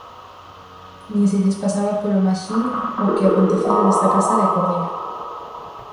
Nin se lles pasaba polo maxín o que acontecera nesta casa de Cordeiro.